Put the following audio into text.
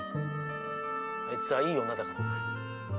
あいつはいい女だからな。